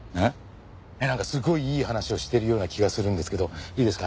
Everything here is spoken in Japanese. なんかすごいいい話をしてるような気がするんですけどいいですか？